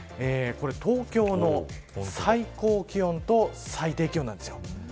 東京の最高気温と最低気温なんです。